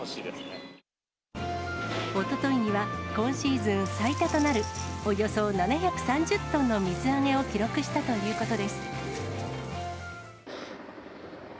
おとといには、今シーズン最多となる、およそ７３０トンの水揚げを記録したということです。